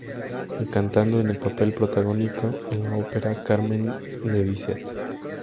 Y cantando en el papel protagónico en la Ópera Carmen de Bizet.